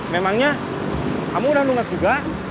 memangnya kamu udah lungat juga